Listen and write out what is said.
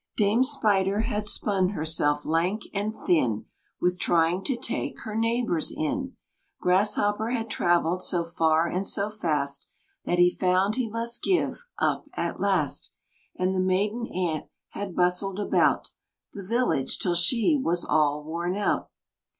Dame Spider had spun herself lank and thin With trying to take her neighbors in; Grasshopper had traveled so far and so fast That he found he must give up at last; And the maiden Ant had bustled about The village till she was all worn out.